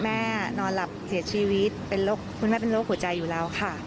นอนหลับเสียชีวิตคุณแม่เป็นโรคหัวใจอยู่แล้วค่ะ